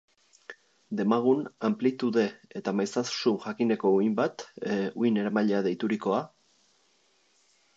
Demagun anplitude eta maiztasun jakineko uhin bat, uhin eramailea deiturikoa.